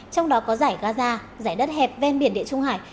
trong đó có giải gaza giải đất hẹp ven biển địa trung hải